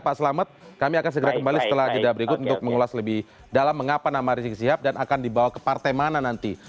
pak selamet kami akan segera kembali setelah jeda berikut untuk mengulas lebih dalam mengapa nama rizik sihab dan akan dibawa ke partai mana nanti